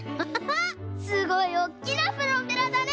すごいおっきなプロペラだね！